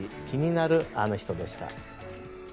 気になるアノ人でした。